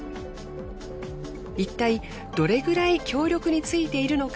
いったいどれくらい強力についているのか